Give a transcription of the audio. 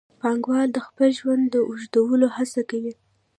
پانګوال د خپل ژوند د اوږدولو هڅه کوي